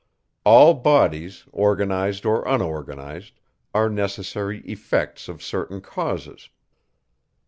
All bodies, organized or unorganized, are necessary effects of certain causes.